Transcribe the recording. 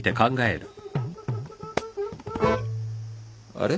あれ？